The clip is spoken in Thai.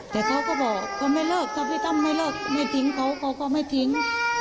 แต่เขาก็บอกเขาไม่เลิกถ้าพี่ตั้มไม่เลิกไม่ทิ้งเขาเขาก็ไม่ทิ้ง